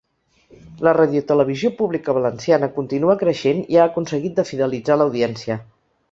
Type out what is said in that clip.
La radiotelevisió pública valenciana continua creixent i ha aconseguit de fidelitzar l’audiència.